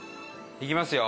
いきますよ！